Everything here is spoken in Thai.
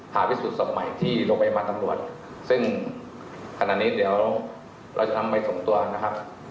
พิสูจนศพใหม่ที่โรงพยาบาลตำรวจซึ่งขณะนี้เดี๋ยวเราจะนำไปส่งตัวนะครับ